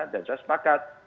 dan saya sepakat